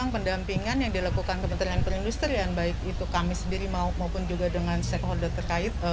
pendampingan yang dilakukan kementerian perindustrian baik itu kami sendiri maupun juga dengan stakeholder terkait